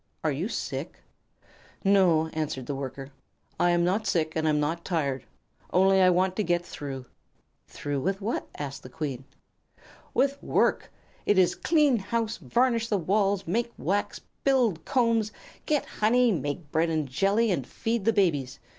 "Are you sick?" "No," answered the Worker. "I'm not sick and I'm not tired, only I want to get through." "Through with what?" asked the Queen. "With work! It is clean house, varnish the walls, make wax, build combs, get honey, make bread and jelly, and feed the babies.